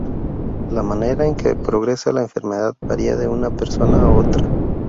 La manera en que progresa la enfermedad varía de una persona a otra.